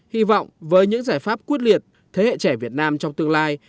hy vọng với những giải pháp quyết liệt thế hệ trẻ việt nam trong tương lai